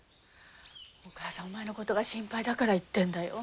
お母さんお前のことが心配だから言ってんだよ。